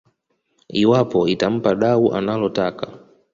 iwapo itampa dau analotaka